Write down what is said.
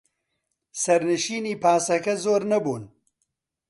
سەرنشینی پاسەکە زۆر نەبوون.